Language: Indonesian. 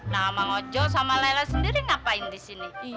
nah mang ojo sama lela sendiri ngapain di sini